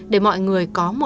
để mọi người có một lời tâm sự